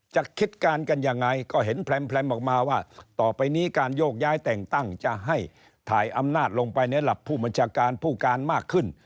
คิดการกันยังไงก็เห็นแพร่มออกมาว่าต่อไปนี้การโยกย้ายแต่งตั้งจะให้ถ่ายอำนาจลงไปในหลับผู้บัญชาการผู้การมากขึ้น